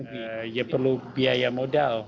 kita perlu biaya modal